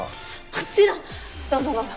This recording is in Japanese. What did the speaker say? もちろんどうぞどうぞ。